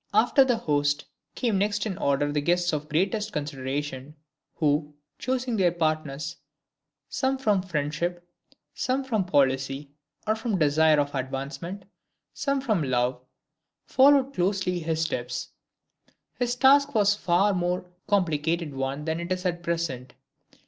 After the host, came next in order the guests of the greatest consideration, who, choosing their partners, some from friendship, some from policy or from desire of advancement, some from love, followed closely his steps. His task was a far more complicated one than it is at present.